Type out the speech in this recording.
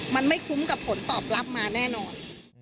มันไม่คุ้มกับผลตอบรับมาแน่นอน